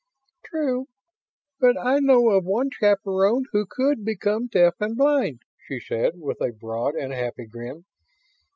"True. But I know of one chaperone who could become deaf and blind," she said, with a broad and happy grin.